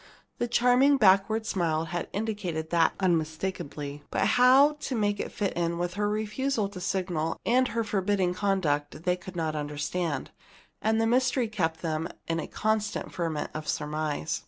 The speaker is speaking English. The charming backward smile had indicated that unmistakably. But how to make it fit in with her refusal to signal and her forbidding conduct they could not understand, and the mystery kept them in a constant ferment of surmise.